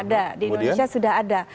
ada di indonesia sudah ada